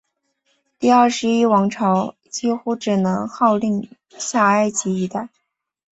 第二十一王朝几乎只能号令下埃及一带。